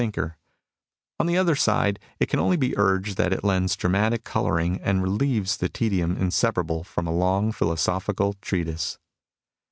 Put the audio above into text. no. 30 MUSINGS OF A CHINESE MYSTIC thinker ; on the other side it can only be urged that it lends dramatic colouring and relieves the tedium inseparable from a long philosophical treatise.